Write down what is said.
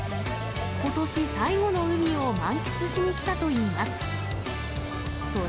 ことし最後の海を満喫しに来たといいます。